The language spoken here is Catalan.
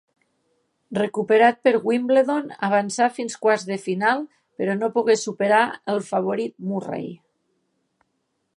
Recuperat per Wimbledon avançà fins quarts de final però no pogué superar el favorit Murray.